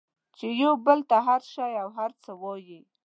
چې یو بل ته هر شی او هر څه وایئ